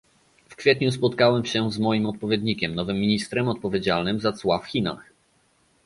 w kwietniu spotkałem się z moim odpowiednikiem, nowym ministrem odpowiedzialnym za cła w Chinach